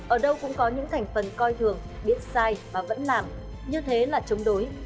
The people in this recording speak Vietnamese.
ở đâu cũng có những thành phần coi thường biết sai mà vẫn làm như thế là chống đối